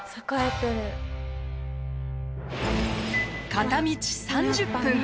片道３０分。